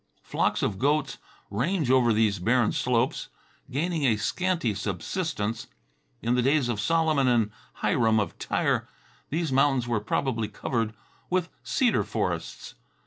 Flocks of goats range over these barren slopes, gaining a scanty subsistence. In the days of Solomon and Hiram of Tyre these mountains were probably covered with cedar forests.